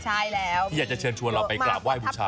ใช่แล้วที่อยากจะเชิญชวนเราไปกราบไห้บูชา